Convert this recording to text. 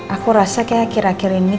aku rasa kayak akhir akhir ini